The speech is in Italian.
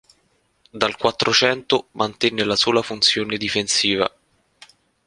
Dal Quattrocento mantenne la sola funzione difensiva.